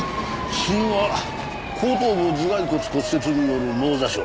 死因は後頭部頭蓋骨骨折による脳挫傷。